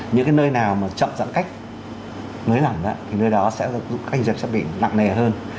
những cái nơi nào mà chậm giãn cách nới lỏng thì nơi đó sẽ bị nặng nề hơn